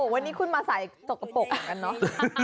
วันนี้คุณมาใส่ตกปกเหรอเนาะ